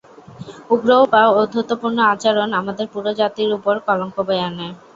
উগ্র বা ঔদ্ধত্যপূর্ণ আচরণ আমাদের পুরো জাতির ওপর কলঙ্ক বয়ে আনে।